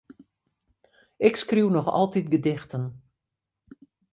Ik skriuw noch altyd gedichten.